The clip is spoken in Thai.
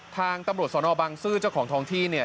ทางตำรวจสนบังซื้อเจ้าของทองที่เนี่ย